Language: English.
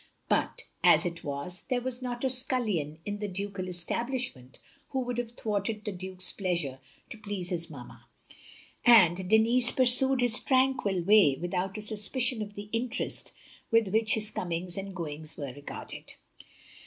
But as it was, there was not a scullion in the ducal establishment who would have thwarted the Duke's pleasure to please his mamma; and Denis pursued his tranquil way without a suspicion of the interest with which his comings and goings were regarded.